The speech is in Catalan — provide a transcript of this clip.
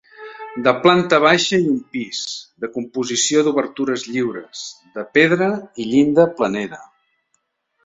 De planta baixa i un pis, de composició d'obertures lliures, de pedra i llinda planera.